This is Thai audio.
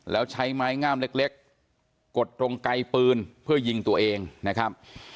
แล้วใช้ไม้งามเล็กกดตรงไกลปืนเพื่อยิงตัวเองนะครับ